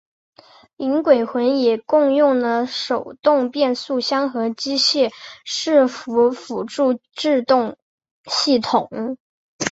银鬼魂也共用了手动变速箱和机械伺服辅助制动系统。